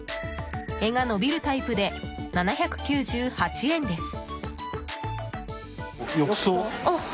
柄が伸びるタイプで７９８円です。